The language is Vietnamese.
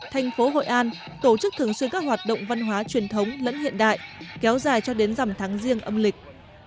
thành phố hội an tổ chức thường xuyên các hoạt động văn hóa truyền thống lẫn hiện đại kéo dài cho đến dầm tháng riêng âm lịch